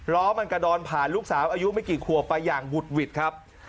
ล้อมันกระดอนผ่านลูกสาวอายุไม่กี่ขวบไปอย่างบุดหวิดครับ